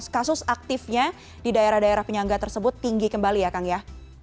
kasus aktifnya di daerah daerah penyangga tersebut tinggi kembali ya kang ya